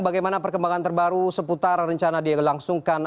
bagaimana perkembangan terbaru seputar rencana dilangsungkan